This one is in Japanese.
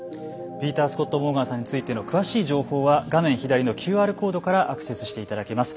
ピーター・スコット−モーガンさんについての詳しい情報は画面左のＱＲコードからアクセスしていただけます。